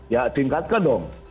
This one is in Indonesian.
ya tingkatkan dong